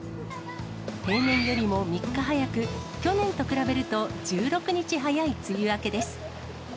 平年よりも３日早く、去年と比べると１６日早い梅雨明けです。